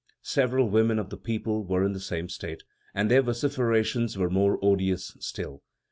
Several women of the people were in the same state, and their vociferations were more odious still.